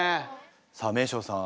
さあ名生さん